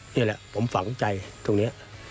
นี่แหละผมฝังใจตรงนี้